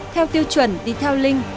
theo tiêu chuẩn đi theo linh